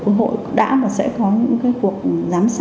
quốc hội đã mà sẽ có những